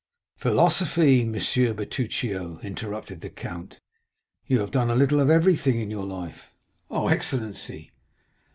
"Philosophy, M. Bertuccio," interrupted the count; "you have done a little of everything in your life." "Oh, excellency!"